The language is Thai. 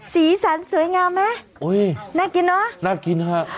สีสันสวยงามไหมน่ากินเนอะน่ากินฮะ